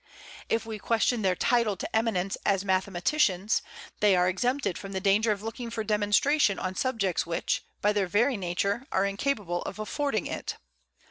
If we question their title to eminence as mathematicians, they are exempted from the danger of looking for demonstration on subjects which, by their very nature, are incapable of affording it.